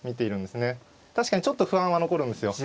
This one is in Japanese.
確かにちょっと不安は残るんですよ。